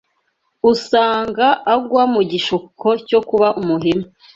usanga agwa mu gishuko cyo kuba umuhemu